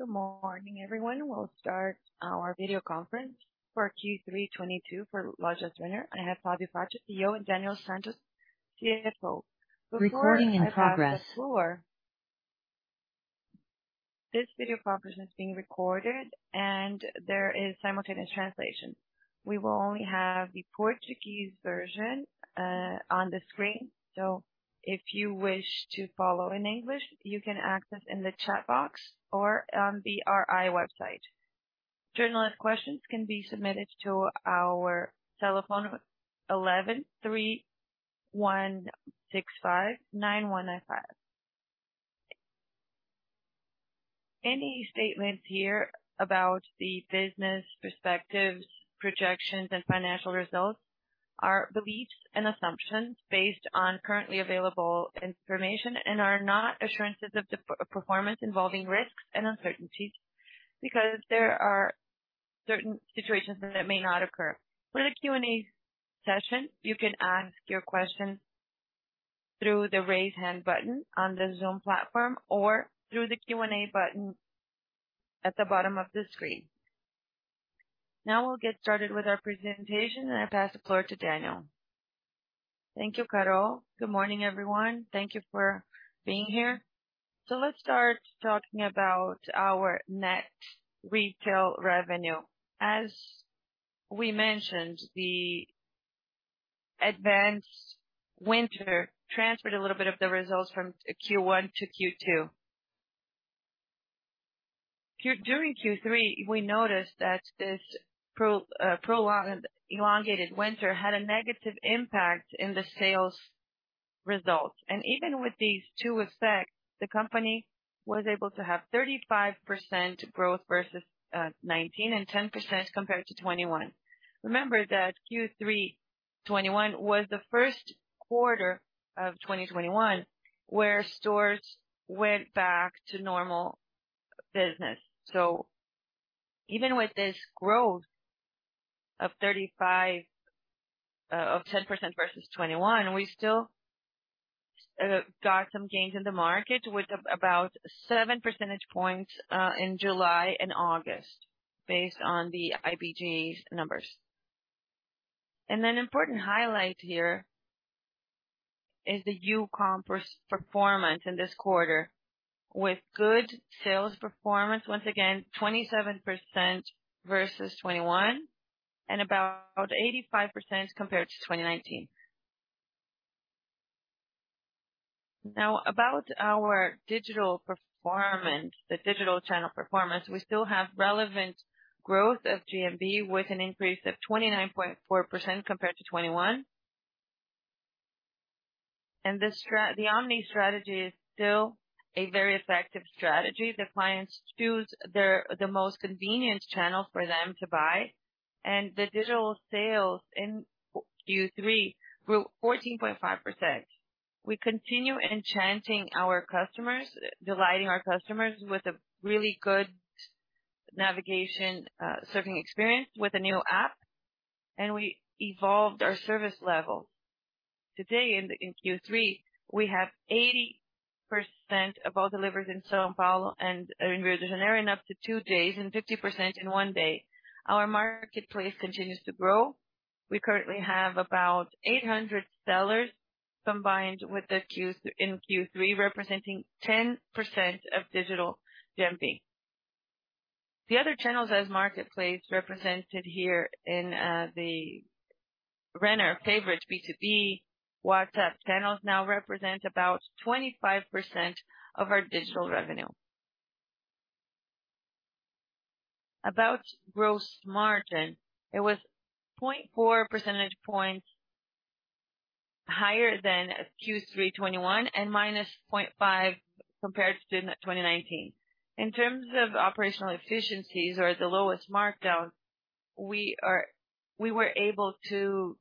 Good morning, everyone. We'll start our video conference for Q3 2022 for Lojas Renner. I have Fabio Faccio, CEO, and Daniel dos Santos, CFO. Before I pass the floor. This video conference is being recorded and there is simultaneous translation. We will only have the Portuguese version on the screen. So if you wish to follow in English, you can access in the chat box or on the RI website. Journalist questions can be submitted to our telephone: 11-3165-915. Any statements here about the business perspectives, projections and financial results are beliefs and assumptions based on currently available information, and are not assurances of the future performance involving risks and uncertainties, because there are certain situations that may not occur. For the Q&A session, you can ask your question through the raise hand button on the Zoom platform or through the Q&A button at the bottom of the screen. Now we'll get started with our presentation, and I pass the floor to Daniel. Thank you, Carol. Good morning, everyone. Thank you for being here. Let's start talking about our net retail revenue. As we mentioned, the advanced winter transferred a little bit of the results from Q1 to Q2. During Q3, we noticed that this prolonged, elongated winter had a negative impact on the sales results. Even with these two effects, the company was able to have 35% growth versus 19% and 10% compared to 2021. Remember that Q3 2021 was the first quarter of 2021 where stores went back to normal business. Even with this growth of 10% versus 2021, we still got some gains in the market with about 7 percentage points in July and August, based on the IBGE's numbers. An important highlight here is the Youcom performance in this quarter, with good sales performance. Once again, 27% versus 2021 and about 85% compared to 2019. Now, about our digital performance. The digital channel performance. We still have relevant growth of GMV with an increase of 29.4% compared to 2021. The omni strategy is still a very effective strategy. The clients choose the most convenient channel for them to buy. The digital sales in Q3 grew 14.5%. We continue delighting our customers with a really good navigation, surfing experience with the new app. We evolved our service level. Today in Q3, we have 80% of all deliveries in São Paulo and in Rio de Janeiro in up to two days and 50% in one day. Our marketplace continues to grow. We currently have about 800 sellers combined with the in Q3, representing 10% of digital GMV. The other channels as marketplace represented here in the Renner favorite B2B WhatsApp channels now represent about 25% of our digital revenue. About gross margin. It was 0.4 percentage points higher than Q3 2021 and -0.5 compared to 2019. In terms of operational efficiencies or the lowest markdown, we were able to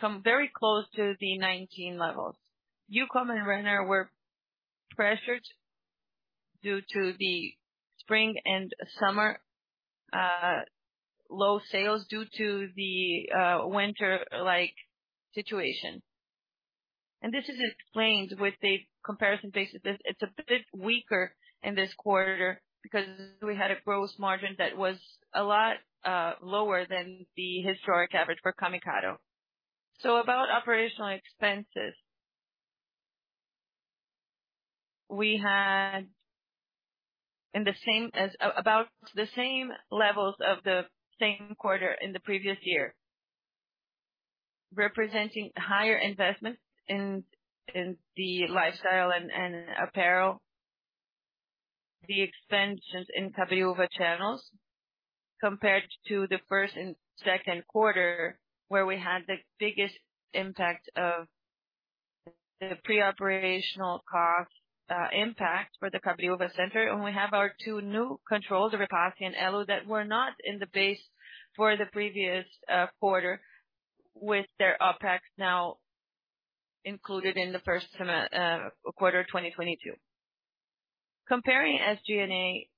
come very close to the 2019 levels. Youcom and Renner were pressured due to the spring and summer low sales due to the winter-like situation. This is explained with the comparison basis. It's a bit weaker in this quarter because we had a gross margin that was a lot lower than the historic average for Camicado. About operational expenses. We had about the same levels of the same quarter in the previous year, representing higher investments in the lifestyle and apparel, the expansions in Cabreúva channels compared to the first and second quarter, where we had the biggest impact of the pre-operational cost impact for the Cabreúva center. We have our two new controls, Repassa and Elo, that were not in the base for the previous quarter, with their OpEx now included in the first quarter of 2022. Comparing SG&A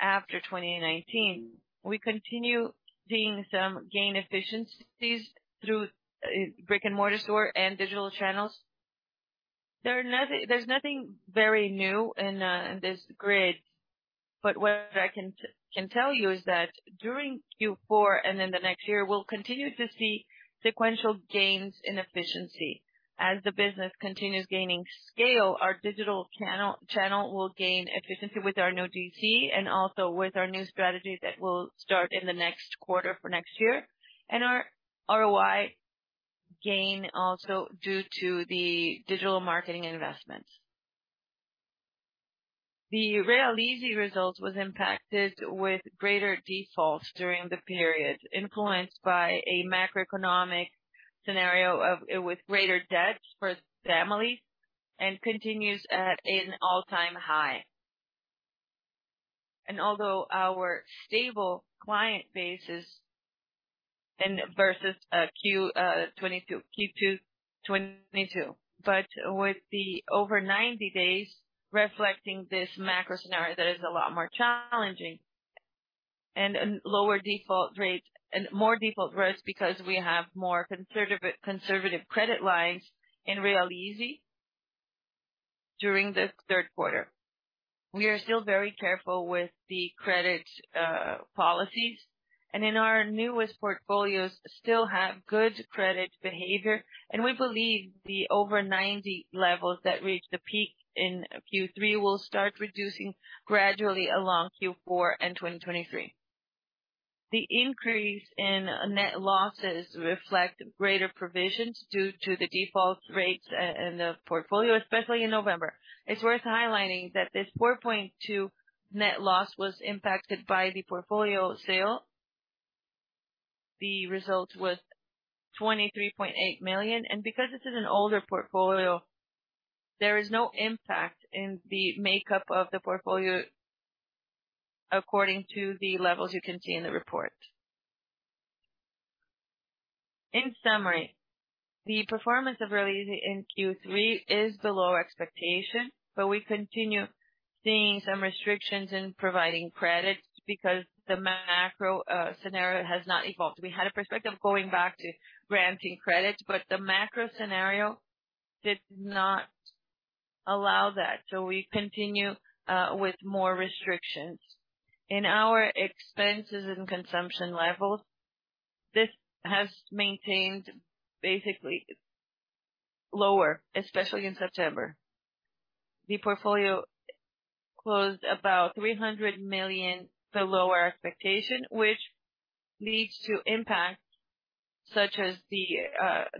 after 2019, we continue seeing some gain efficiencies through brick-and-mortar stores and digital channels. There's nothing very new in this grid, but what I can tell you is that during Q4 and then the next year, we'll continue to see sequential gains in efficiency. As the business continues gaining scale, our digital channel will gain efficiency with our new DC and also with our new strategy that will start in the next quarter for next year. Our ROI gain also due to the digital marketing investments. The Realize results was impacted with greater defaults during the period, influenced by a macroeconomic scenario with greater debt for families, and continues at an all-time high. Although our stable client base is and versus Q2 2022. With the over 90 days reflecting this macro scenario that is a lot more challenging and lower default rates and more default risk because we have more conservative credit lines in Realize during the third quarter. We are still very careful with the credit policies, and in our newest portfolios still have good credit behavior, and we believe the over 90 levels that reached the peak in Q3 will start reducing gradually along Q4 and 2023. The increase in net losses reflect greater provisions due to the default rates in the portfolio, especially in November. It's worth highlighting that this 4.2% net loss was impacted by the portfolio sale. The result was 23.8 million. Because this is an older portfolio, there is no impact in the makeup of the portfolio according to the levels you can see in the report. In summary, the performance of Realize in Q3 is below expectation, but we continue seeing some restrictions in providing credits because the macro scenario has not evolved. We had a perspective going back to granting credits, but the macro scenario did not allow that. We continue with more restrictions. In our expenses and consumption levels, this has maintained basically lower, especially in September. The portfolio closed about 300 million below our expectation, which leads to impacts such as the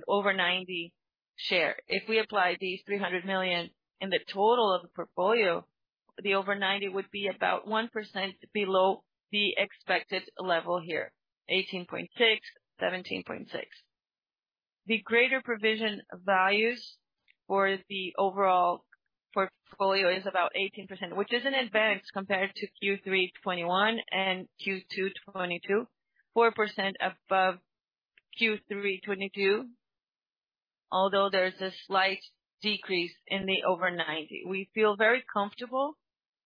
over-90 share. If we apply these 300 million in the total of the portfolio, the over-90 would be about 1% below the expected level here, 18.6%, 17.6%. The greater provision values for the overall portfolio is about 18%, which is an advance compared to Q3 2021 and Q2 2022, 4% above Q3 2022. Although there's a slight decrease in the over 90, we feel very comfortable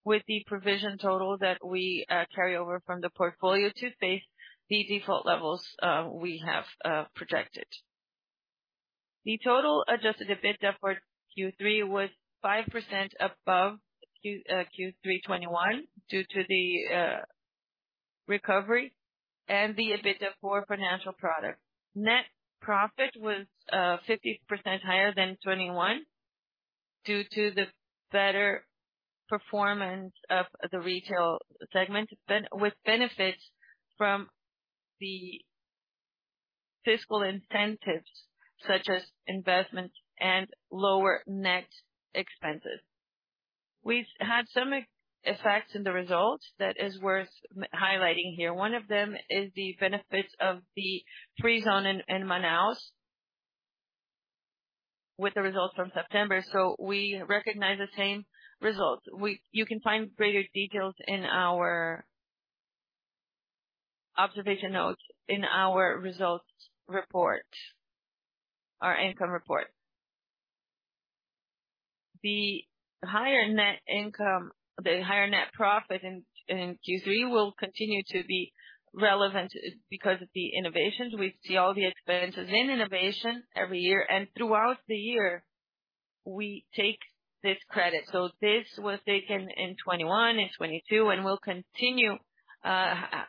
with the provision total that we carry over from the portfolio to face the default levels we have projected. The total adjusted EBITDA for Q3 was 5% above Q3 2021 due to the recovery and the EBITDA for financial products. Net profit was 50% higher than 2021 due to the better performance of the retail segment, with benefits from the fiscal incentives such as investment and lower net expenses. We've had some effects in the results that is worth highlighting here. One of them is the benefits of the free zone in Manaus with the results from September. We recognize the same results. You can find greater details in our observation notes in our income report. The higher net profit in Q3 will continue to be relevant because of the innovations. We see all the expenses in innovation every year and throughout the year, we take this credit. This was taken in 2021, in 2022 and will continue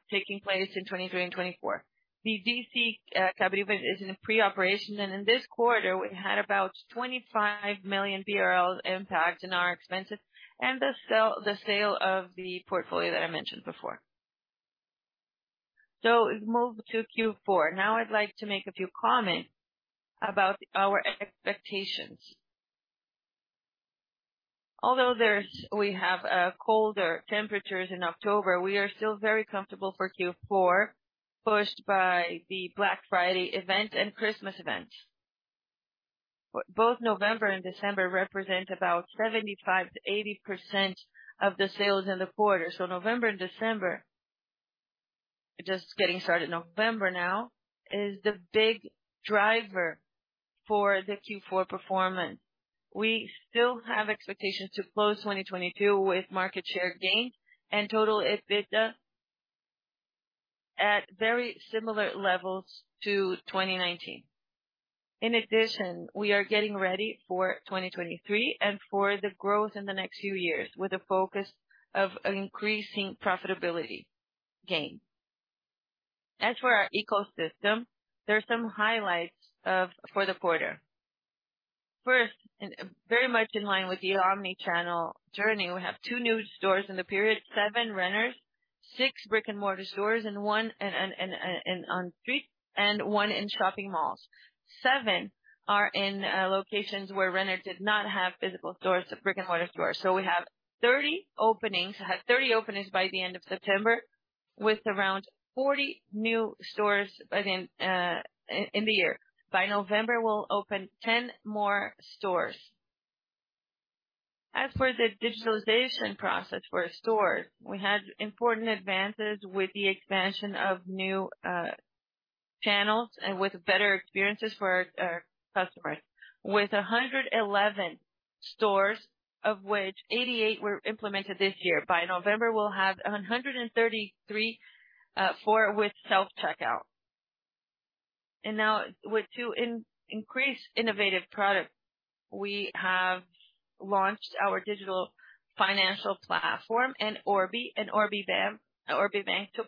taking place in 2023 and 2024. The DC Cabreúva is in pre-operation, and in this quarter, we had about 25 million BRL impact in our expenses and the sale of the portfolio that I mentioned before. Move to Q4. Now I'd like to make a few comments about our expectations. Although we have colder temperatures in October, we are still very comfortable for Q4, pushed by the Black Friday event and Christmas event. Both November and December represent about 75%-80% of the sales in the quarter. November and December, just getting started November now, is the big driver for the Q4 performance. We still have expectations to close 2022 with market share gains and total EBITDA at very similar levels to 2019. In addition, we are getting ready for 2023 and for the growth in the next few years with a focus of increasing profitability gain. As for our ecosystem, there are some highlights for the quarter. First, and very much in line with the omnichannel journey, we have two new stores in the period: seven Renner’s, six brick-and-mortar stores, and one on street and one in shopping malls. Seven are in locations where Renner did not have physical stores, brick-and-mortar stores. We have 30 openings by the end of September, with around 40 new stores by the end in the year. By November, we'll open 10 more stores. As for the digitalization process for our stores, we had important advances with the expansion of new channels and with better experiences for our customers. With 111 stores, of which 88 were implemented this year. By November, we'll have 134 with self-checkout. Now to increase innovative products, we have launched our digital financial platform and Orbi and Orbi Bank to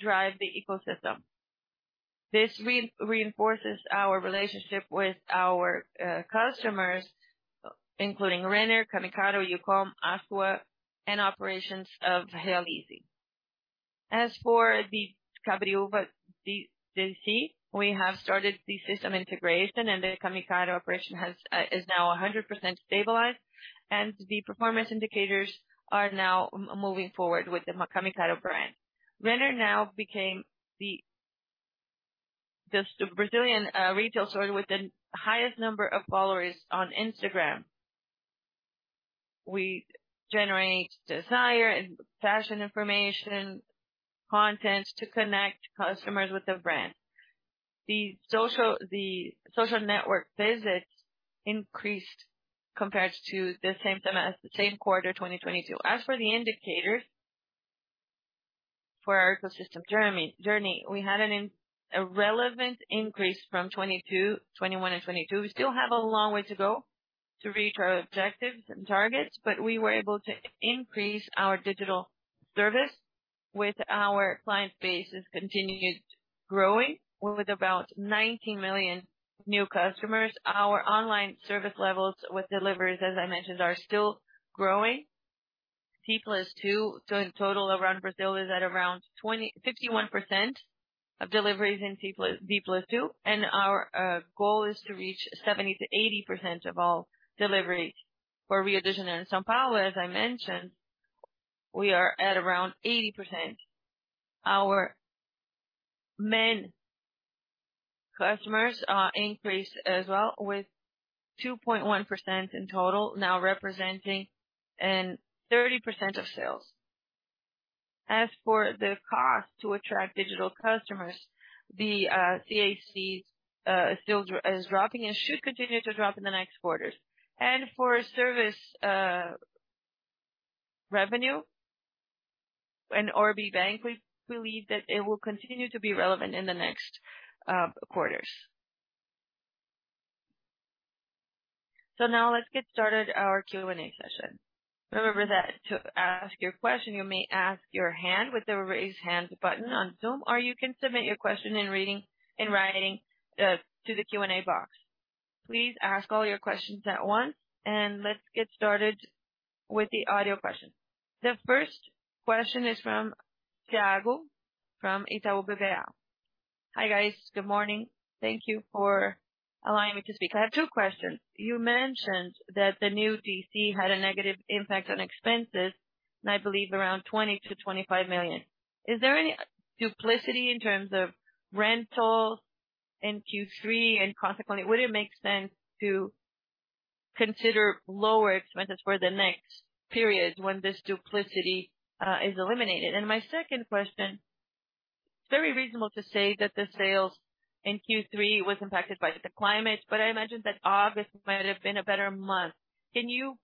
drive the ecosystem. This reinforces our relationship with our customers, including Renner, Camicado, Youcom, Ashua, and operations of Realize. As for the Cabreúva DC, we have started the system integration, and the Camicado operation is now 100% stabilized, and the performance indicators are now moving forward with the Camicado brand. Renner now became the Brazilian retail store with the highest number of followers on Instagram. We generate desire and fashion information content to connect customers with the brand. The social network visits increased compared to the same quarter, 2022. As for the indicators for our ecosystem journey, we had a relevant increase from 2022, 2021 and 2022. We still have a long way to go to reach our objectives and targets, but we were able to increase our digital service with our client base has continued growing with about 19 million new customers. Our online service levels with deliveries, as I mentioned, are still growing. B+2. In total, around Brazil is at around 25.1% of deliveries in B+, B+2. Our goal is to reach 70%-80% of all deliveries. For reconditioner in São Paulo, as I mentioned, we are at around 80%. Our main customers increased as well, with 2.1% in total, now representing 30% of sales. As for the cost to attract digital customers, the CAC is dropping and should continue to drop in the next quarters. For service revenue and Orbi Bank, we believe that it will continue to be relevant in the next quarters. Now let's get started our Q&A session. Remember that to ask your question, you may raise your hand with the raise hands button on Zoom, or you can submit your question in writing to the Q&A box. Please ask all your questions at once. Let's get started with the audio questions. The first question is from Thiago from Itaú BBA. Hi, guys. Good morning. Thank you for allowing me to speak. I have two questions. You mentioned that the new DC had a negative impact on expenses, and I believe around 20 million-25 million. Is there any duplicity in terms of rental in Q3? And consequently, would it make sense to consider lower expenses for the next period when this duplicity is eliminated? My second question, it's very reasonable to say that the sales in Q3 was impacted by the climate, but I imagine that August might have been a better month. Can you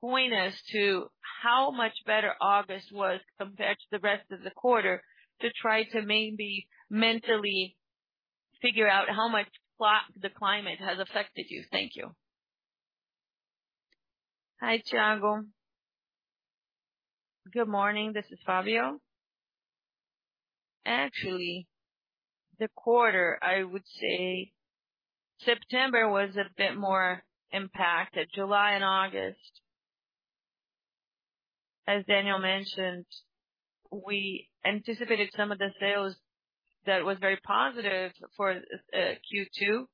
point us to how much better August was compared to the rest of the quarter to try to maybe mentally figure out how much the climate has affected you? Thank you. Hi, Thiago. Good morning. This is Fabio. Actually, the quarter, I would say September was a bit more impacted. July and August, as Daniel mentioned, we anticipated some of the sales that was very positive for Q2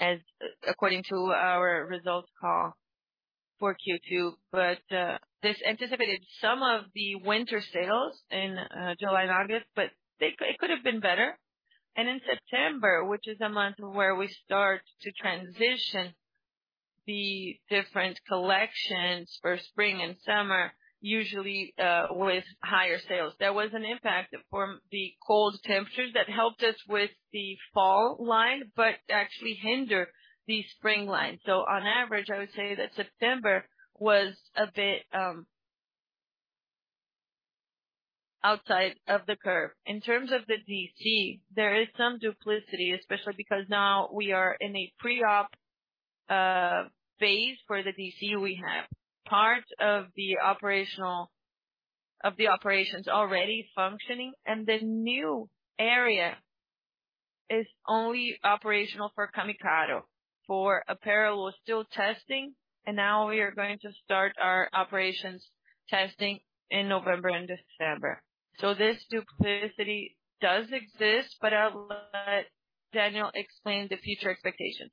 as according to our results call for Q2. But this anticipated some of the winter sales in July and August, but it could have been better. In September, which is a month where we start to transition the different collections for spring and summer, usually, with higher sales. There was an impact from the cold temperatures that helped us with the fall line, but actually hinder the spring line. On average, I would say that September was a bit outside of the curve. In terms of the DC, there is some duplicity, especially because now we are in a pre-op phase for the DC. We have part of the operations already functioning, and the new area is only operational for Camicado. For apparel, we're still testing, and now we are going to start our operations testing in November and December. This duplicity does exist, but I'll let Daniel explain the future expectations.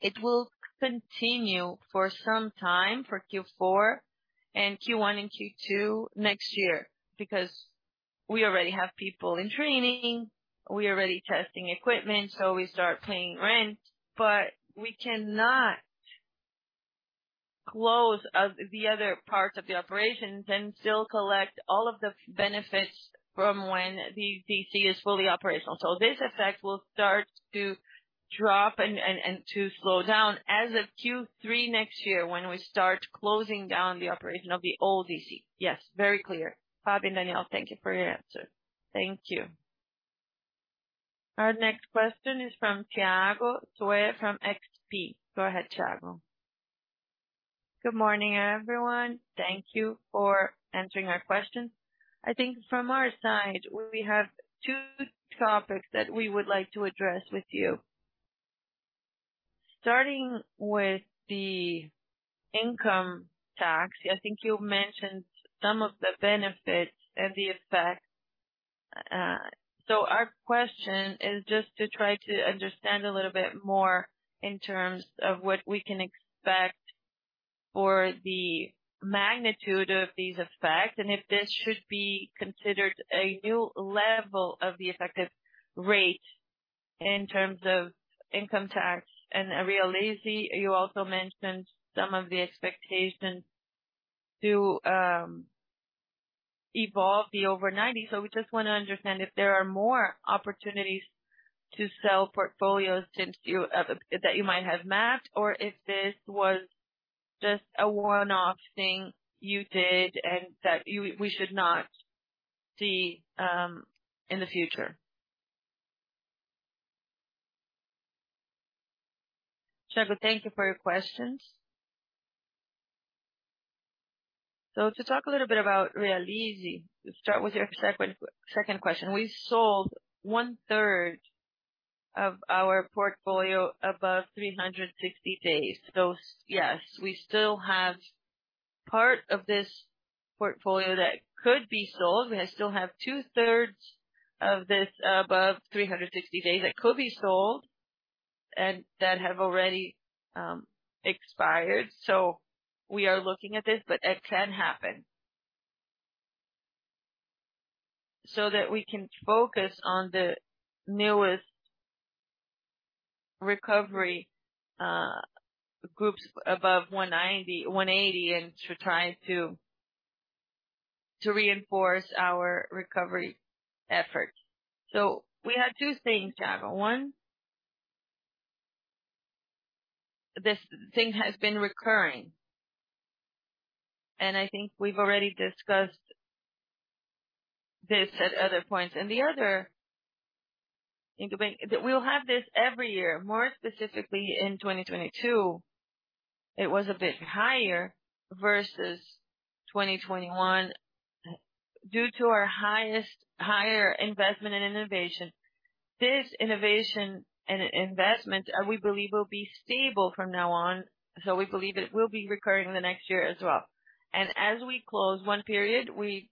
It will continue for some time for Q4 and Q1 and Q2 next year because we already have people in training. We're already testing equipment, so we start paying rent, but we cannot close, the other parts of the operations and still collect all of the benefits from when the DC is fully operational. This effect will start to drop and to slow down as of Q3 next year when we start closing down the operation of the old DC. Yes, very clear. Fabio and Daniel, thank you for your answer. Thank you. Our next question is from Thiago Suedt from XP. Go ahead, Thiago. Good morning, everyone. Thank you for answering our questions. I think from our side, we have two topics that we would like to address with you. Starting with the income tax, I think you mentioned some of the benefits and the effects. Our question is just to try to understand a little bit more in terms of what we can expect for the magnitude of these effects, and if this should be considered a new level of the effective rate in terms of income tax. Realize, you also mentioned some of the expectations to evolve the over 90. We just wanna understand if there are more opportunities to sell portfolios since that you might have mapped or if this was just a one-off thing you did and we should not see in the future. Thiago, thank you for your questions. To talk a little bit about Realize, to start with your second question, we sold 1/3 of our portfolio above 360 days. Yes, we still have part of this portfolio that could be sold. We still have 2/3 of this above 360 days that could be sold and that have already expired. We are looking at this, but it can happen that we can focus on the newest recovery groups above 180 and to reinforce our recovery efforts. We have two things, Thiago. One, this thing has been recurring. I think we've already discussed this at other points. The other thing to bring that we'll have this every year, more specifically in 2022, it was a bit higher versus 2021 due to our higher investment in innovation. This innovation and investment, we believe will be stable from now on. We believe it will be recurring the next year as well. As we close one period, we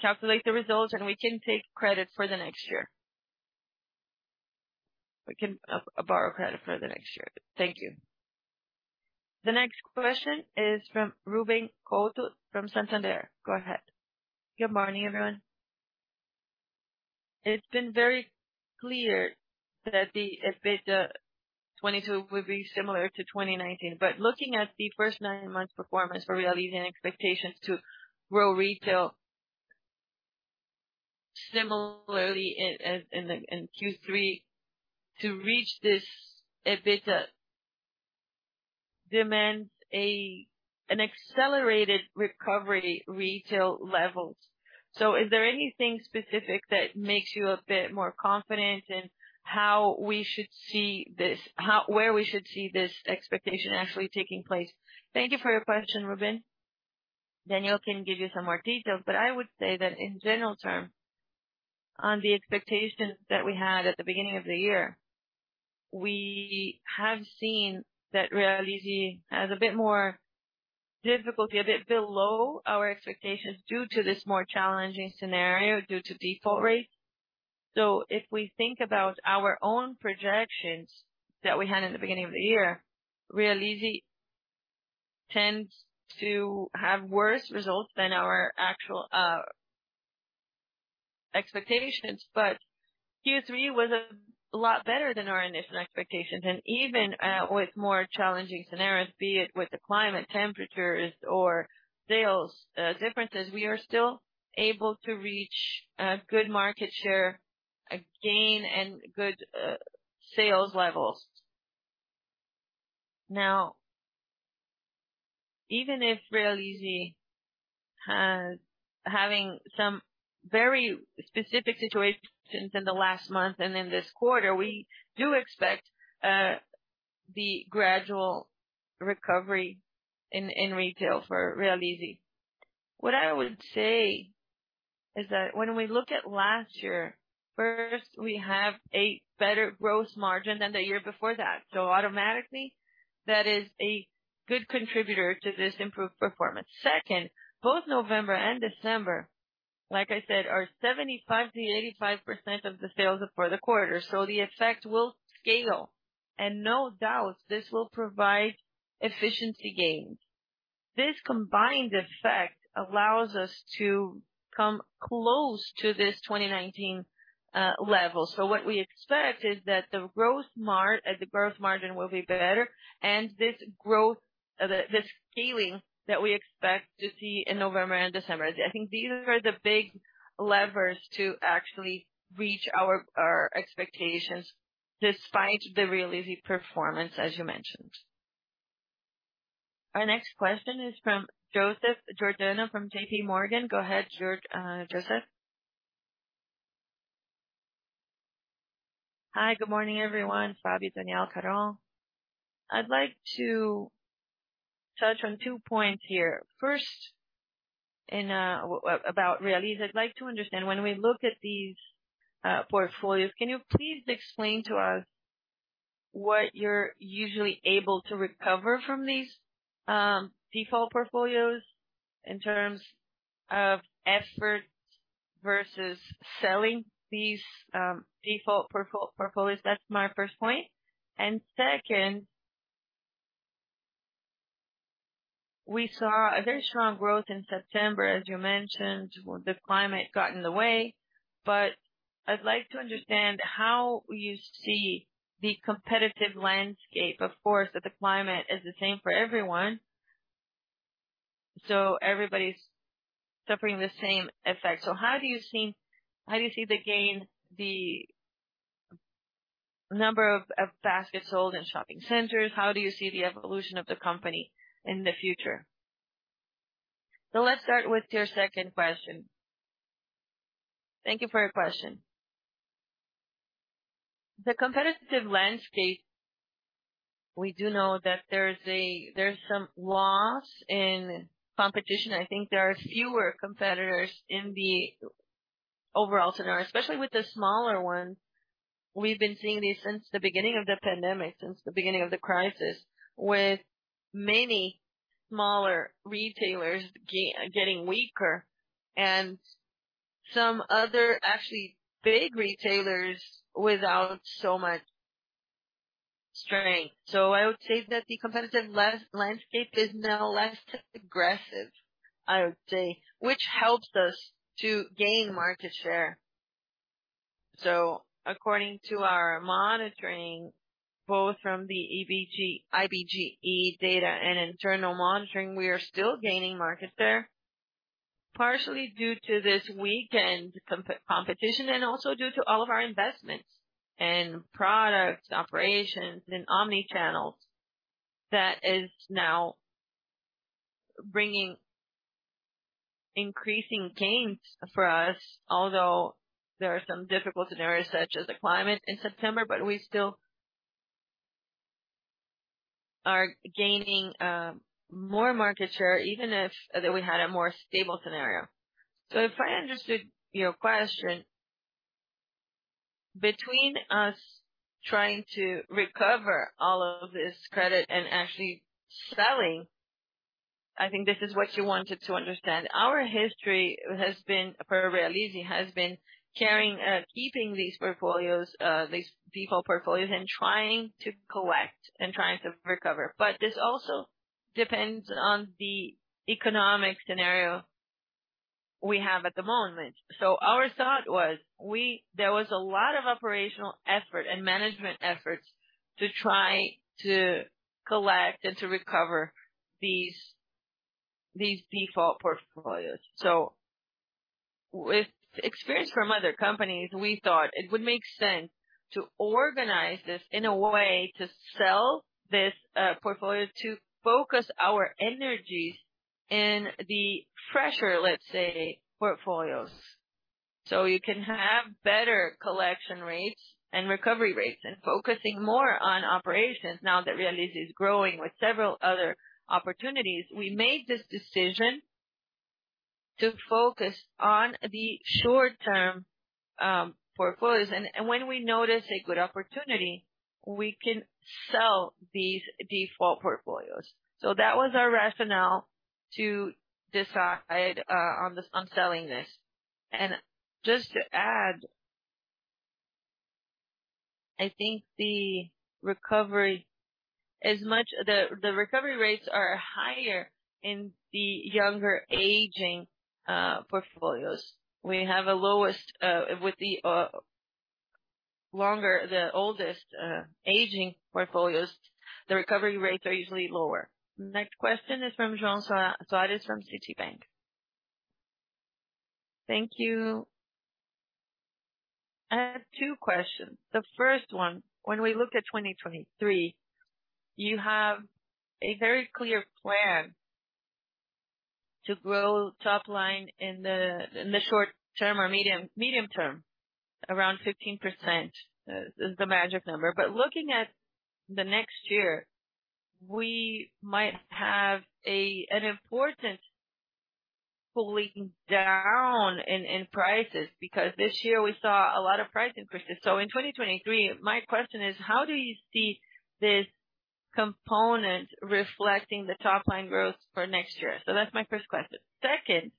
calculate the results, and we can take credit for the next year. We can borrow credit for the next year. Thank you. The next question is from Ruben Couto from Santander. Go ahead. Good morning, everyone. It's been very clear that the EBITDA 2022 would be similar to 2019. Looking at the first nine months performance for Realize and expectations to grow retail similarly in Q3 to reach this EBITDA demands an accelerated recovery retail levels. Is there anything specific that makes you a bit more confident in where we should see this expectation actually taking place? Thank you for your question, Ruben. Daniel can give you some more details, but I would say that in general terms, on the expectations that we had at the beginning of the year, we have seen that Realize has a bit more difficulty, a bit below our expectations due to this more challenging scenario due to default rates. If we think about our own projections that we had in the beginning of the year, Realize tends to have worse results than our actual expectations. Q3 was a lot better than our initial expectations. Even with more challenging scenarios, be it with the climate, temperatures or sales differences, we are still able to reach a good market share, a gain and good sales levels. Now, even if Realize has some very specific situations in the last month and in this quarter, we do expect the gradual recovery in retail for Realize. What I would say is that when we look at last year, first, we have a better gross margin than the year before that. Automatically that is a good contributor to this improved performance. Second, both November and December, like I said, are 75%-85% of the sales for the quarter. The effect will scale. No doubt this will provide efficiency gains. This combined effect allows us to come close to this 2019 level. What we expect is that the gross margin will be better. This growth, this scaling that we expect to see in November and December. I think these are the big levers to actually reach our expectations despite the Realize performance, as you mentioned. Our next question is from Joseph Giordano from J.P. Morgan. Go ahead, Joseph. Hi, good morning, everyone. Fabio, Daniel, Carol. I'd like to touch on two points here. First, in about Realize. I'd like to understand, when we look at these portfolios, can you please explain to us what you're usually able to recover from these default portfolios in terms of efforts versus selling these default portfolios? That's my first point. Second, we saw a very strong growth in September, as you mentioned. Well, the climate got in the way, but I'd like to understand how you see the competitive landscape. Of course, the climate is the same for everyone, so everybody's suffering the same effect. How do you see the gain, the number of baskets sold in shopping centers? How do you see the evolution of the company in the future? Let's start with your second question. Thank you for your question. The competitive landscape, we do know that there's some loss in competition. I think there are fewer competitors in the overall scenario, especially with the smaller ones. We've been seeing this since the beginning of the pandemic, since the beginning of the crisis, with many smaller retailers getting weaker and some other actually big retailers without so much strength. I would say that the competitive landscape is now less aggressive, I would say, which helps us to gain market share. According to our monitoring, both from the IBGE data and internal monitoring, we are still gaining market share, partially due to this weakened competition and also due to all of our investments in products, operations and omnichannel. That is now bringing increasing gains for us. Although there are some difficult scenarios, such as the climate in September, but we still are gaining more market share even if we had a more stable scenario. If I understood your question between us trying to recover all of this credit and actually selling, I think this is what you wanted to understand. Our history has been for Realize has been keeping these default portfolios and trying to collect and trying to recover. This also depends on the economic scenario we have at the moment. Our thought was there was a lot of operational effort and management efforts to try to collect and to recover these default portfolios. With experience from other companies, we thought it would make sense to organize this in a way to sell this portfolio, to focus our energies in the fresher, let's say, portfolios, so we can have better collection rates and recovery rates and focusing more on operations. Now that Realize is growing with several other opportunities, we made this decision to focus on the short term portfolios, and when we notice a good opportunity, we can sell these default portfolios. That was our rationale to decide on selling this. Just to add, I think the recovery rates are higher in the younger aging portfolios. We have the lowest with the longer, the oldest aging portfolios, the recovery rates are usually lower. Next question is from João Pedro Soares from Citibank. Thank you. I have two questions. The first one, when we look at 2023, you have a very clear plan to grow top line in the short term or medium term, around 15% is the magic number. Looking at the next year, we might have an important pulling down in prices, because this year we saw a lot of price increases. In 2023, my question is, how do you see this component reflecting the top line growth for next year? That's my first question. Second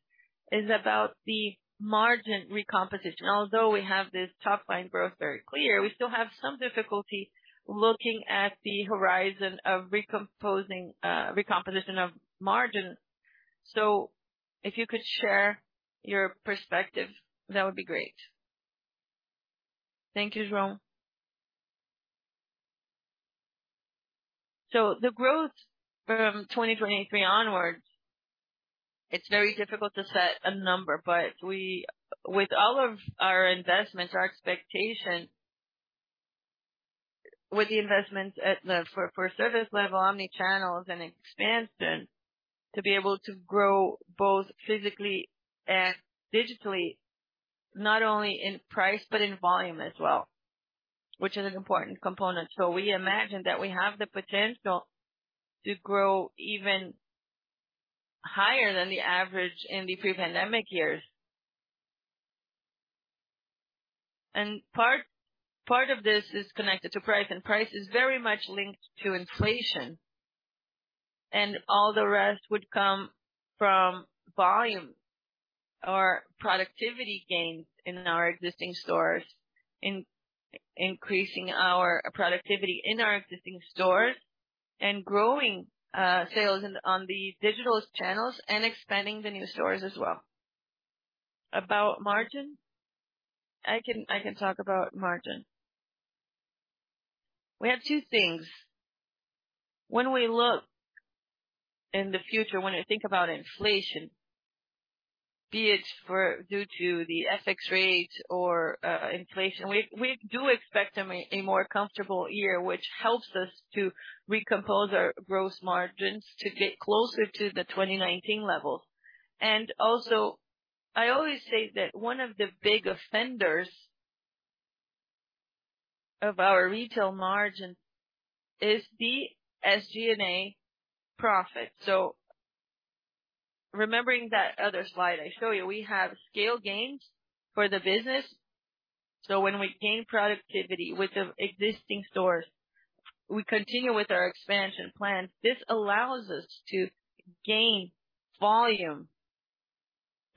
is about the margin recomposition. Although we have this top line growth very clear, we still have some difficulty looking at the horizon of recomposing, recomposition of margin. If you could share your perspective, that would be great. Thank you, João. The growth from 2023 onwards, it's very difficult to set a number. With all of our investments, our expectation with the investments for service level, omnichannels and expansion, to be able to grow both physically and digitally, not only in price but in volume as well, which is an important component. We imagine that we have the potential to grow even higher than the average in the pre-pandemic years. Part of this is connected to price, and price is very much linked to inflation. All the rest would come from volume or productivity gains in our existing stores. Increasing our productivity in our existing stores and growing sales on the digital channels and expanding the new stores as well. About margin. I can talk about margin. We have two things. When we look in the future, when we think about inflation, be it due to the FX rate or inflation, we do expect a more comfortable year, which helps us to recompose our gross margins to get closer to the 2019 level. Also I always say that one of the big offenders of our retail margin is the SG&A profit. Remembering that other slide I show you, we have scale gains for the business. When we gain productivity with the existing stores, we continue with our expansion plan. This allows us to gain volume.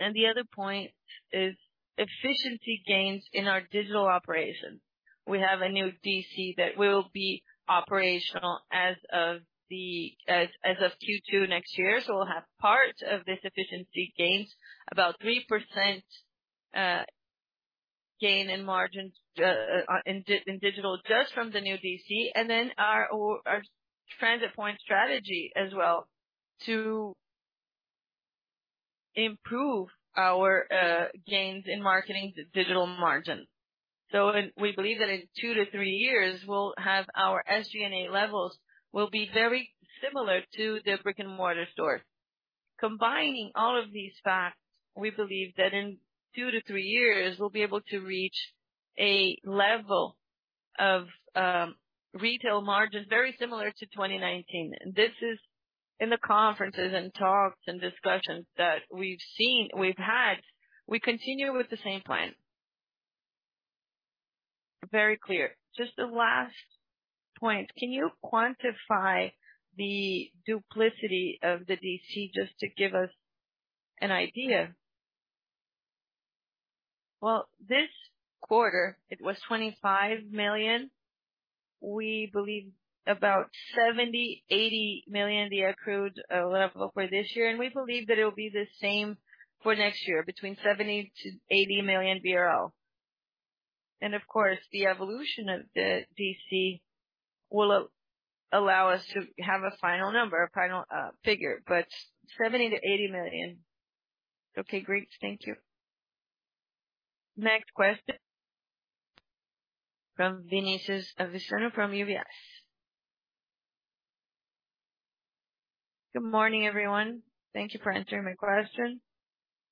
The other point is efficiency gains in our digital operations. We have a new DC that will be operational as of Q2 next year. We'll have parts of this efficiency gains, about 3%, gain in margins in digital just from the new DC and then our transit point strategy as well, to improve our gains in marketing digital margin. We believe that in two to three years our SG&A levels will be very similar to the brick-and-mortar stores. Combining all of these facts, we believe that in two to three years we'll be able to reach a level of retail margins very similar to 2019. This is in the conferences and talks and discussions that we've had. We continue with the same plan. Very clear. Just the last point. Can you quantify the duplicity of the DC just to give us an idea? Well, this quarter it was 25 million. We believe about 70 million - 80 million, the accrued level for this year. We believe that it will be the same for next year between 70 million - 80 million BRL. Of course, the evolution of the DC will allow us to have a final number, a final figure, but 70 million - 80 million. Okay, great. Thank you. Next question from Vinicius Strano from UBS. Good morning, everyone. Thank you for answering my question.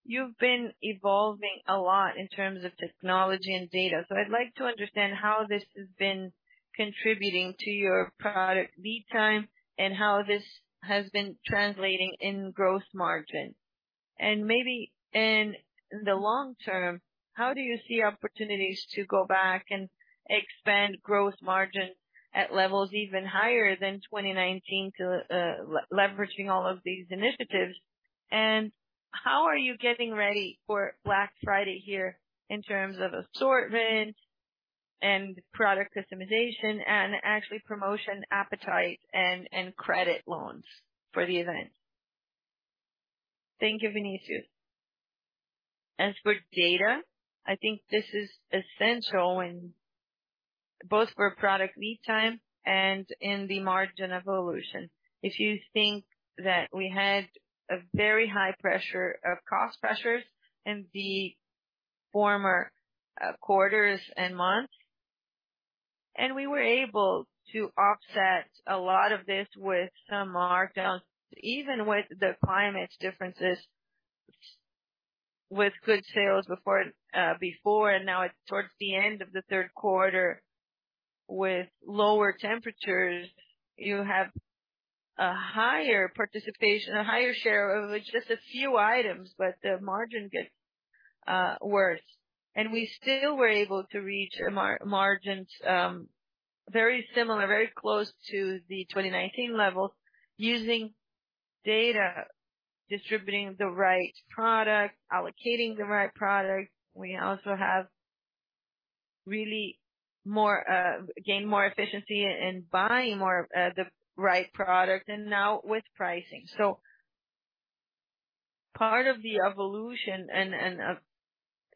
You've been evolving a lot in terms of technology and data, so I'd like to understand how this has been contributing to your product lead time and how this has been translating in gross margin. Maybe in the long term, how do you see opportunities to go back and expand gross margin at levels even higher than 2019 to leveraging all of these initiatives? How are you getting ready for Black Friday here in terms of assortment and product customization and actually promotion appetite and credit loans for the event? Thank you, Vinicius. As for data, I think this is essential and both for product lead time and in the margin evolution. If you think that we had a very high pressure of cost pressures in the former quarters and months, and we were able to offset a lot of this with some markdowns, even with the climate differences, with good sales before and now towards the end of the third quarter with lower temperatures, you have a higher participation, a higher share of it, just a few items, but the margin gets worse. We still were able to reach margins very similar, very close to the 2019 levels using data, distributing the right product, allocating the right product. We also have really gained more efficiency in buying more the right product and now with pricing. Part of the evolution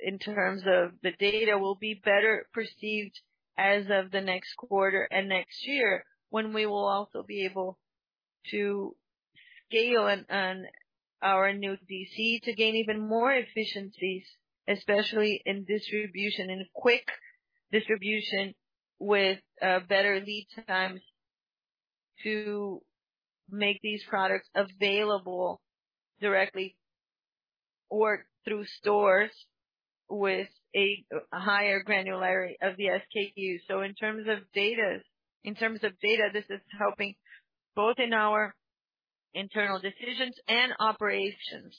in terms of the data will be better perceived as of the next quarter and next year, when we will also be able to scale on our new DC to gain even more efficiencies, especially in distribution, in quick distribution with better lead times to make these products available directly or through stores with a higher granularity of the SKU. In terms of data, this is helping both in our internal decisions and operations,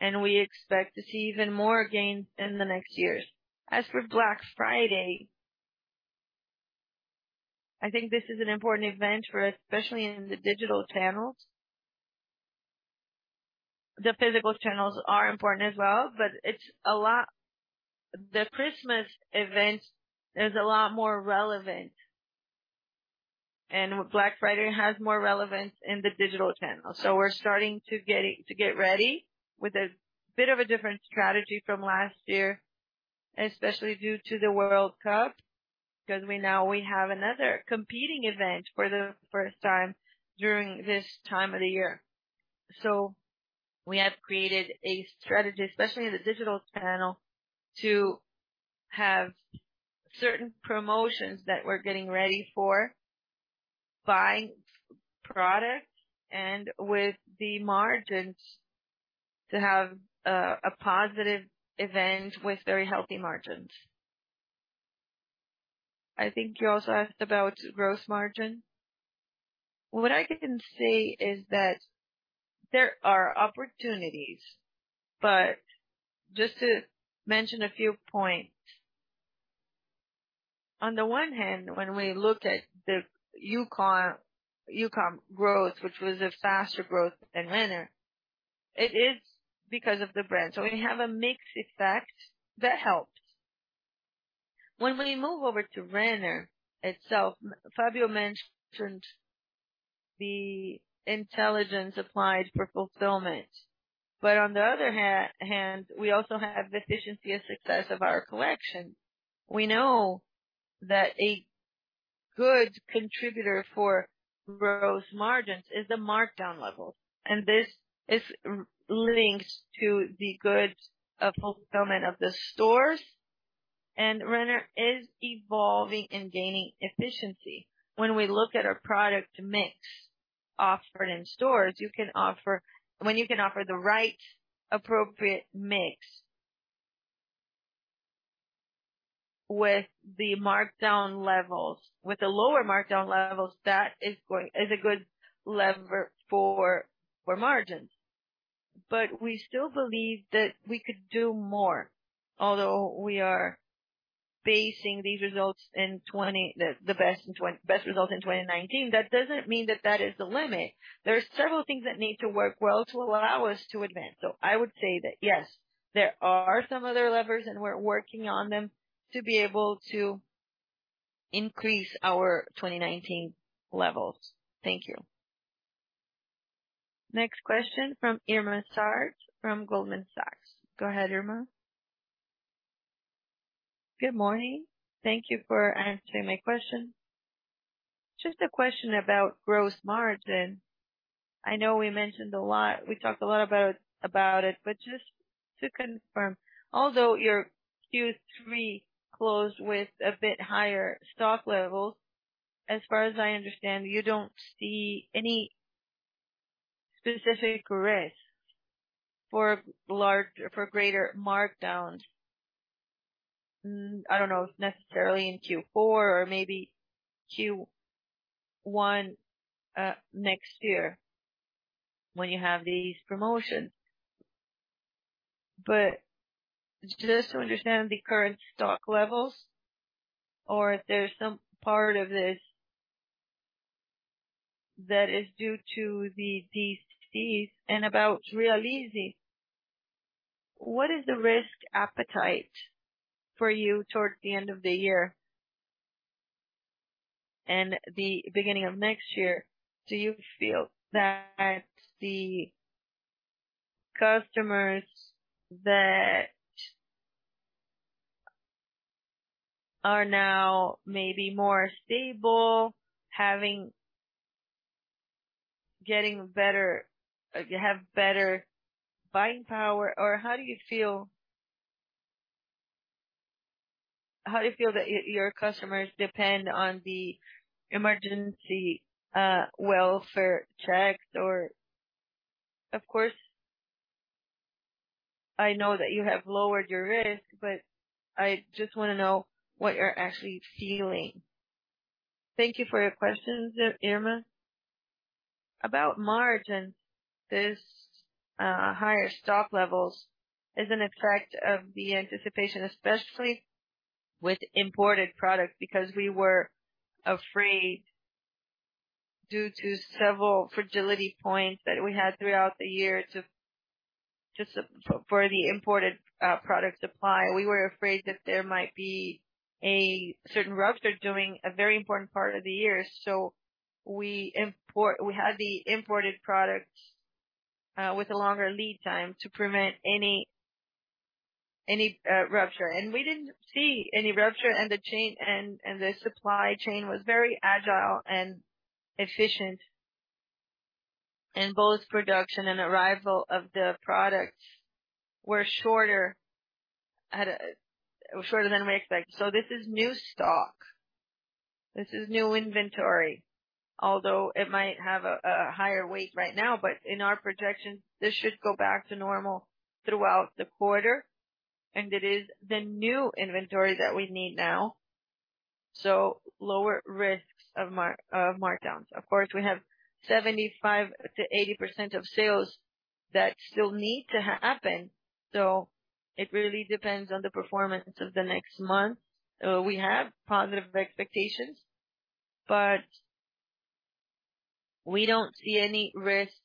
and we expect to see even more gains in the next years. As for Black Friday, I think this is an important event for us, especially in the digital channels. The physical channels are important as well, but the Christmas event is a lot more relevant, and Black Friday has more relevance in the digital channels. We're starting to get ready with a bit of a different strategy from last year, especially due to the World Cup, because we now have another competing event for the first time during this time of the year. We have created a strategy, especially in the digital channel, to have certain promotions that we're getting ready for, buying products and with the margins to have a positive event with very healthy margins. I think you also asked about gross margin. What I can say is that there are opportunities, but just to mention a few points. On the one hand, when we look at the Youcom growth, which was a faster growth than Renner, it is because of the brand. We have a mix effect that helps. When we move over to Renner itself, Fabio mentioned the intelligence applied for fulfillment. On the other hand, we also have the efficiency and success of our collection. We know that a good contributor for gross margins is the markdown levels, and this links to the good fulfillment of the stores. Renner is evolving and gaining efficiency. When we look at our product mix offered in stores, when you can offer the right appropriate mix with the markdown levels, with the lower markdown levels, that is a good lever for margins. We still believe that we could do more, although we are basing these results on the best results in 2019, that doesn't mean that that is the limit. There are several things that need to work well to allow us to advance. I would say that yes, there are some other levers and we're working on them to be able to increase our 2019 levels. Thank you. Next question from Irma Sgarz from Goldman Sachs. Go ahead, Irma. Good morning. Thank you for answering my question. Just a question about gross margin. I know we talked a lot about it, but just to confirm, although your Q3 closed with a bit higher stock levels, as far as I understand, you don't see any specific risk for greater markdowns, I don't know, necessarily in Q4 or maybe Q1 next year when you have these promotions. But just to understand the current stock levels or if there's some part of this that is due to the DTC. About Realize, what is the risk appetite for you towards the end of the year and the beginning of next year? Do you feel that the customers that are now maybe more stable, having better buying power or how do you feel? How do you feel that your customers depend on the emergency welfare checks or? Of course, I know that you have lowered your risk, but I just wanna know what you're actually feeling. Thank you for your question, Irma. About margin, this higher stock levels is an effect of the anticipation, especially with imported products, because we were afraid due to several fragility points that we had throughout the year just for the imported product supply. We were afraid that there might be a certain rupture during a very important part of the year, so we had the imported products with a longer lead time to prevent any rupture. We didn't see any rupture, and the supply chain was very agile and efficient. Both production and arrival of the products were shorter than we expected. This is new stock. This is new inventory. Although it might have a higher weight right now, but in our projections, this should go back to normal throughout the quarter. It is the new inventory that we need now, so lower risks of markdowns. Of course, we have 75%-80% of sales that still need to happen, so it really depends on the performance of the next month. We have positive expectations, but we don't see any risks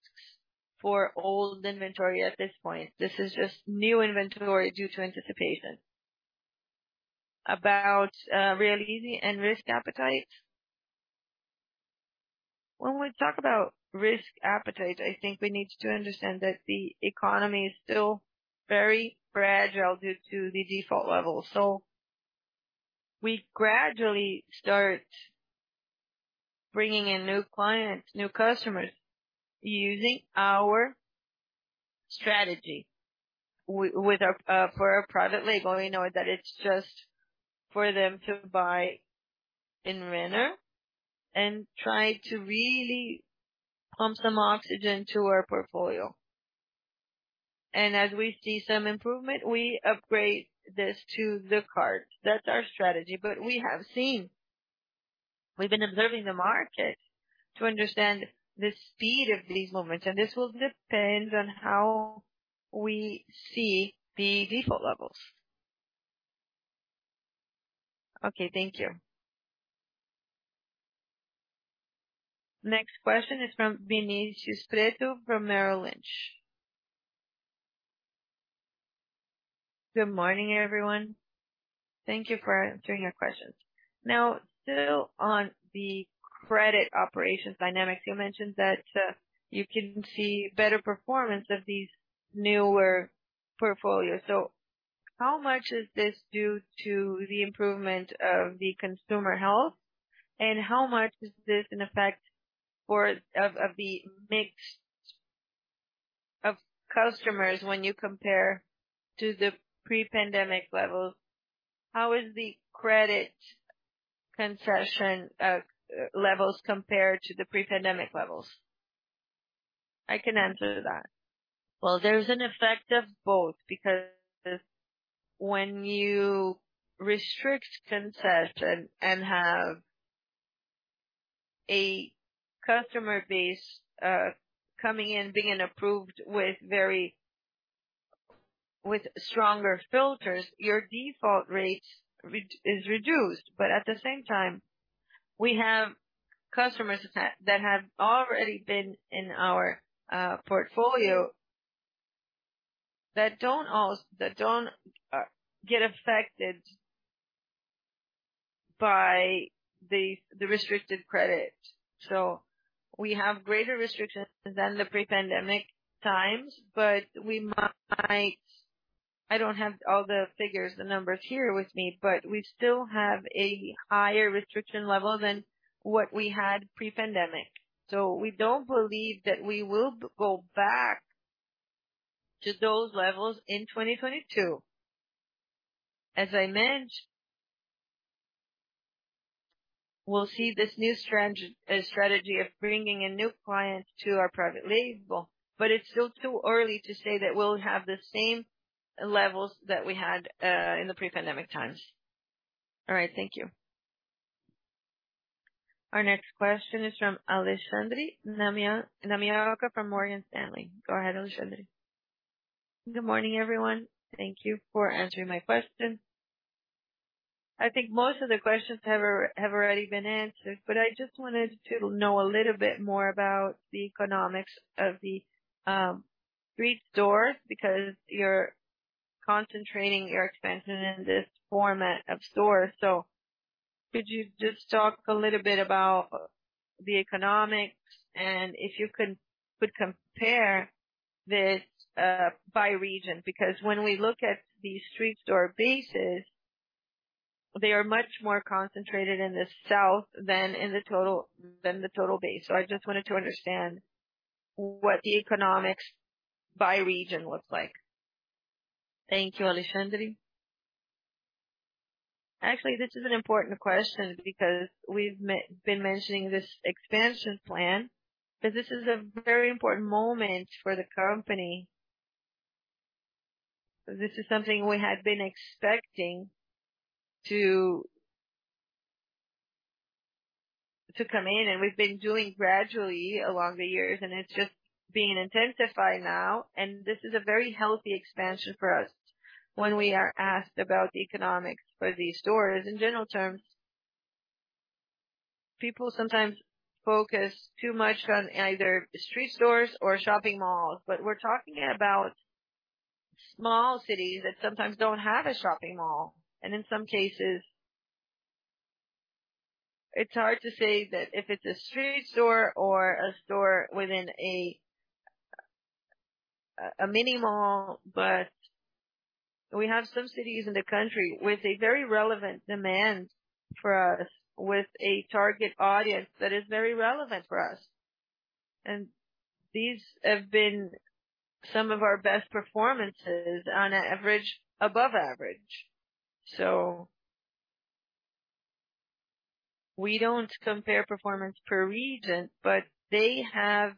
for old inventory at this point. This is just new inventory due to anticipation. About Realize and risk appetite. When we talk about risk appetite, I think we need to understand that the economy is still very fragile due to the default level. We gradually start bringing in new clients, new customers, using our strategy with our for our private label. We know that it's just for them to buy in Renner and try to really pump some oxygen to our portfolio. As we see some improvement, we upgrade this to the card. That's our strategy. We have seen. We have been observing the market to understand the speed of these movements, and this will depend on how we see the default levels. Okay. Thank you. Next question is from Vinicius Pretto from Merrill Lynch. Good morning, everyone. Thank you for answering our questions. Now, still on the credit operations dynamics, you mentioned that you can see better performance of these newer portfolios. How much is this due to the improvement of the consumer health, and how much is this an effect of the mix of customers when you compare to the pre-pandemic level? How is the credit concession levels compare to the pre-pandemic levels? I can answer that. Well, there's an effect of both, because when you restrict concession and have a customer base coming in, being approved with stronger filters, your default rate is reduced. At the same time, we have customers that have already been in our portfolio that don't get affected by the restricted credit. We have greater restrictions than the pre-pandemic times, but we might. I don't have all the figures, the numbers here with me, but we still have a higher restriction level than what we had pre-pandemic. We don't believe that we will go back to those levels in 2022. As I mentioned, we'll see this new strategy of bringing in new clients to our private label, but it's still too early to say that we'll have the same levels that we had in the pre-pandemic times. All right. Thank you. Our next question is from Alexandre Namioka from Morgan Stanley. Go ahead, Alexandre. Good morning, everyone. Thank you for answering my question. I think most of the questions have already been answered, but I just wanted to know a little bit more about the economics of the street stores because you're concentrating your expansion in this format of stores. Could you just talk a little bit about the economics and if you can compare this by region? Because when we look at these street store bases, they are much more concentrated in the South than in the total base. I just wanted to understand what the economics by region looks like. Thank you, Alexandre. Actually, this is an important question because we've been mentioning this expansion plan, but this is a very important moment for the company. This is something we had been expecting to come in, and we've been doing gradually along the years, and it's just being intensified now. This is a very healthy expansion for us. When we are asked about the economics for these stores, in general terms, people sometimes focus too much on either street stores or shopping malls, but we're talking about small cities that sometimes don't have a shopping mall. In some cases, it's hard to say that if it's a street store or a store within a mini mall, but we have some cities in the country with a very relevant demand for us, with a target audience that is very relevant for us. These have been some of our best performances on average, above average. We don't compare performance per region, but they have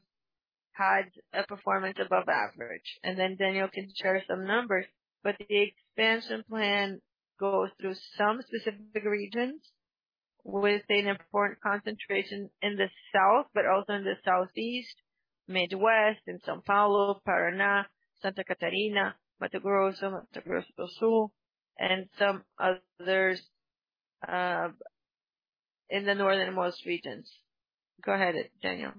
had a performance above average. Daniel can share some numbers, but the expansion plan goes through some specific regions with an important concentration in the South, but also in the Southeast, Midwest, in São Paulo, Paraná, Santa Catarina, Mato Grosso, Mato Grosso do Sul, and some others, in the northernmost regions. Go ahead, Daniel.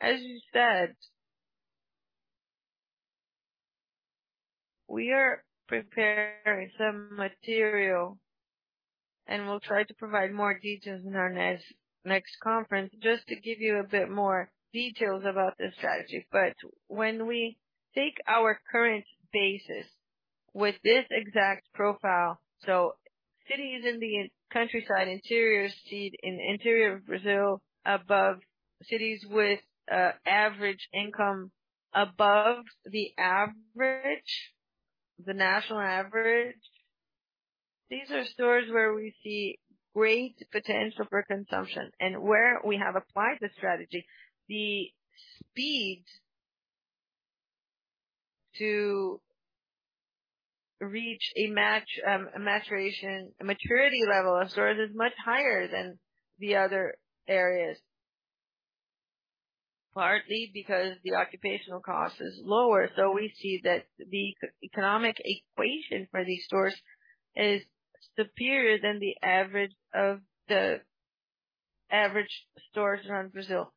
As you said, we are preparing some material, and we'll try to provide more details in our next conference, just to give you a bit more details about this strategy. But when we take our current basis with this exact profile, so cities in the countryside, interior city, in interior Brazil, above cities with, average income above the average, the national average. These are stores where we see great potential for consumption and where we have applied this strategy. The speed to reach a maturity level of stores is much higher than the other areas, partly because the occupational cost is lower. We see that the economic equation for these stores is superior than the average of the average stores around Brazil.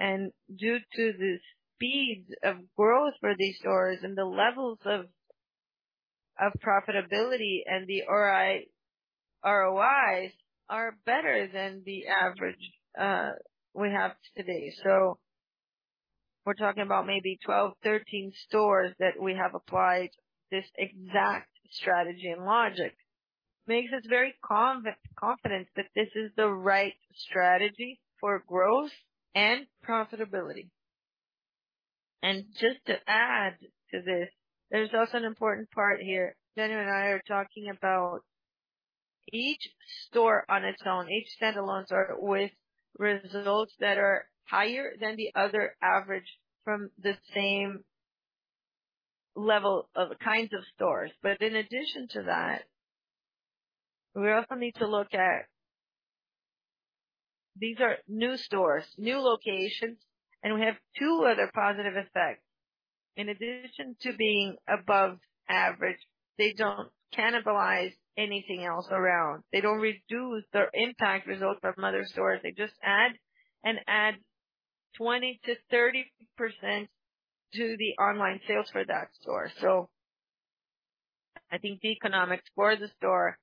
Due to the speed of growth for these stores and the levels of profitability and the ROIs are better than the average we have today. We're talking about maybe 12, 13 stores that we have applied this exact strategy and logic. Makes us very confident that this is the right strategy for growth and profitability. Just to add to this, there's also an important part here. Daniel and I are talking about each store on its own. Each standalones are with results that are higher than the average from the same level of kind of stores. In addition to that, we also need to look at. These are new stores, new locations, and we have two other positive effects. In addition to being above average, they don't cannibalize anything else around. They don't reduce or impact results from other stores. They just add 20%-30% to the online sales for that store. I think the economics for the store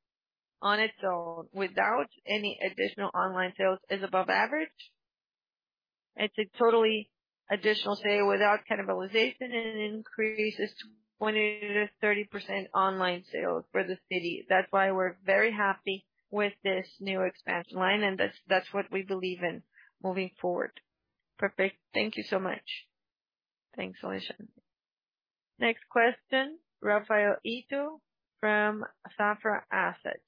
on its own, without any additional online sales, is above average. It's a totally additional sale without cannibalization, and it increases 20%-30% online sales for the city. That's why we're very happy with this new expansion line, and that's what we believe in moving forward. Perfect. Thank you so much. Thanks, Alexandre. Next question, Rafael Ito from Safra Asset.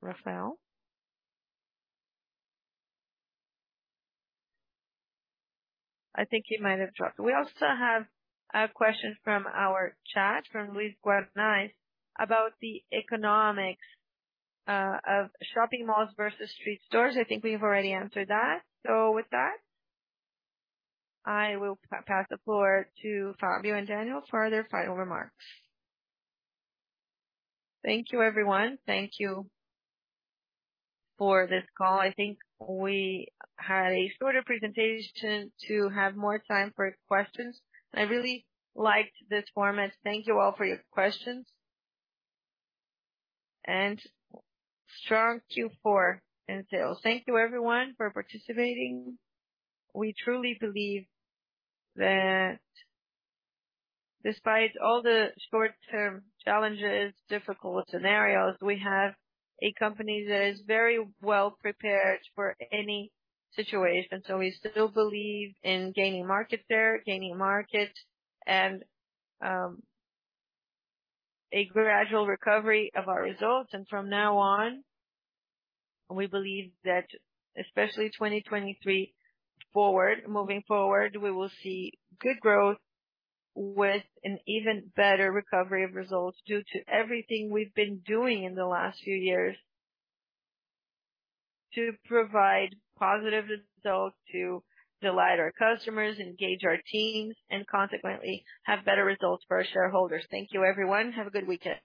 Rafael? I think he might have dropped. We also have a question from our chat from Luiz Guanais about the economics of shopping malls versus street stores. I think we've already answered that. With that, I will pass the floor to Fabio and Daniel for their final remarks. Thank you, everyone. Thank you for this call. I think we had a shorter presentation to have more time for questions, and I really liked this format. Thank you all for your questions. Strong Q4 in sales. Thank you, everyone, for participating. We truly believe that despite all the short-term challenges, difficult scenarios, we have a company that is very well-prepared for any situation. We still believe in gaining market share, gaining market, and a gradual recovery of our results. From now on, we believe that especially 2023 forward, moving forward, we will see good growth with an even better recovery of results due to everything we've been doing in the last few years to provide positive results, to delight our customers, engage our teams, and consequently have better results for our shareholders. Thank you, everyone. Have a good weekend.